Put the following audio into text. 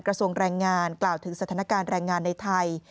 กระทรวงแรงงานกล่าวถึงสถานการณ์แรงงานในไทย